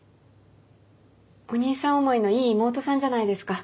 お兄さん思いのいい妹さんじゃないですか。